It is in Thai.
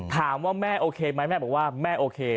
ถามว่าแม่โอเคไหมแม่บอกว่าแม่โอเค